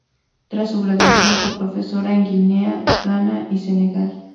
Tras su graduación fue profesora en Guinea, Ghana y Senegal.